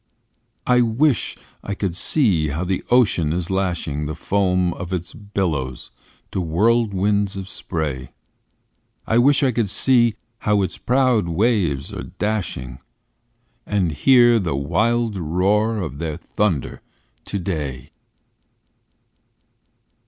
I wish I could see how the ocean is lashing The foam of its billows to whirlwinds of spray, I wish I could see how its proud waves are dashing And hear the wild roar of their thunder today!